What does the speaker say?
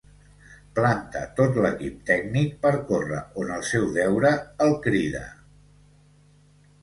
Planta tot l'equip tècnic per córrer on el seu deure el crida…